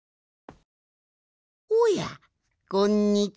おやこんにちは。